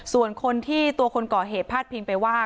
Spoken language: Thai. ส่วนคนที่ตัวคนก่อเหตุพาดพิงไปว่า